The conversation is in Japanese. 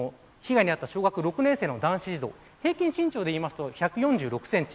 被害に遭った小学６年生の男子児童、平均身長でいうと１４６センチ。